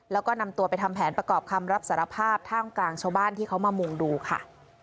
แล้วก็นำตัวไปทำแผนประกอบคำรับสารภาพท่ามกลางชาวบ้านที่เขามามุ่งดูค่ะ